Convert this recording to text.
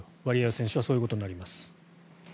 ワリエワ選手はそういうことになります。